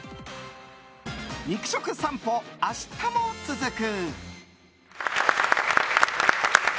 肉食さんぽ、明日も続く！